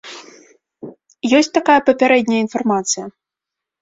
Ёсць такая папярэдняя інфармацыя.